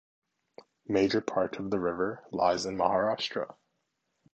Major part of the river lies in Maharashtra.